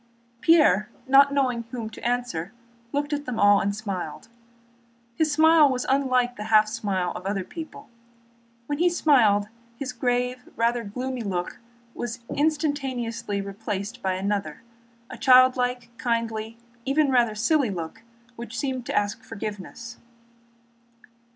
Pierre, not knowing whom to answer, looked at them all and smiled. His smile was unlike the half smile of other people. When he smiled, his grave, even rather gloomy, look was instantaneously replaced by another—a childlike, kindly, even rather silly look, which seemed to ask forgiveness.